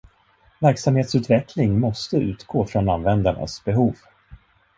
Verksamhetsutveckling måste utgå från användarnas behov.